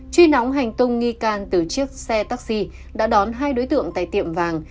truy nóng hành tung nghi can từ chiếc xe taxi đã đón hai đối tượng tại tiệm vàng